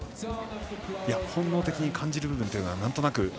本能的に感じる部分というのは、なんとなく。